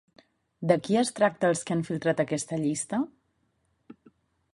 De qui es tracta els que han filtrat aquesta llista?